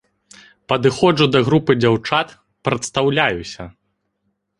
Падыходжу да групы дзяўчат, прадстаўляюся.